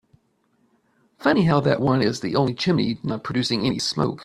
Funny how that one is the only chimney not producing any smoke.